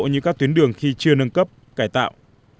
như các tuyến đường khi chưa nâng cấp cải tạo